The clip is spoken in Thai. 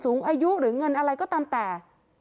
สูงอายุหรือเงินอะไรก็ตามแต่